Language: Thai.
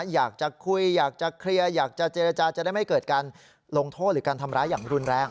อยากจะคุยอยากจะเคลียร์อยากจะเจรจาจะได้ไม่เกิดการลงโทษหรือการทำร้ายอย่างรุนแรง